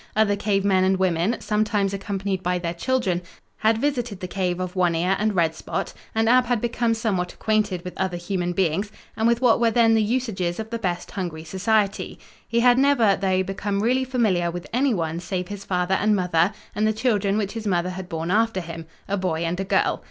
Other cave men and women, sometimes accompanied by their children, had visited the cave of One Ear and Red Spot and Ab had become somewhat acquainted with other human beings and with what were then the usages of the best hungry society. He had never, though, become really familiar with anyone save his father and mother and the children which his mother had borne after him, a boy and a girl.